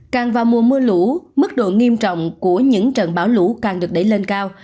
càng vào mùa mưa lũ mức độ nghiêm trọng của những trận bão lũ càng được đẩy lên cao